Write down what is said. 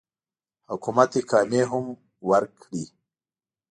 حکومت اقامې هم ورکړي.